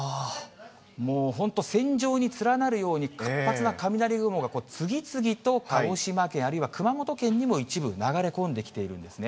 もう本当、線状に連なるように活発な雷雲が次々と鹿児島県、あるいは熊本県にも一部、流れ込んできているんですね。